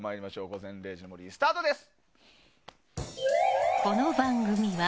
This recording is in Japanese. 「午前０時の森」スタートです。